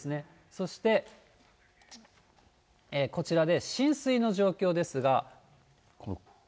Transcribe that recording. そしてこちらで、浸水の状況ですが。